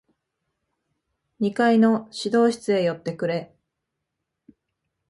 二階の指導室へ寄ってくれ。